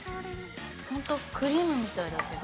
ホントクリームみたいだけど。